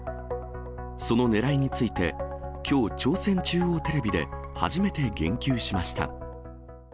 そのねらいについて、きょう朝鮮中央テレビで初めて言及しました。